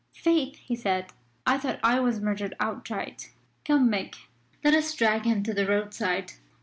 "Faith!" he said, "I thought I was murdered outright. Come, Mick, let us drag him to the roadside."